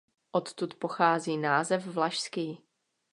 Odtud pochází název „vlašský“.